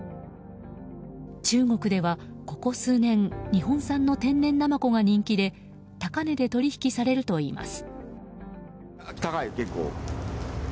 中国では、ここ数年日本産の天然ナマコが人気で高値で取引されるといいます。